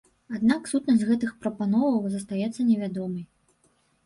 Аднак сутнасць гэтых прапановаў застаецца невядомай.